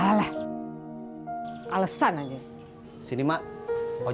bereich eli pukulan sesuatu hal tua